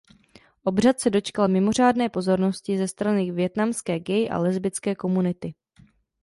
Obřad se dočkal mimořádné pozornosti ze strany vietnamské gay a lesbické komunity.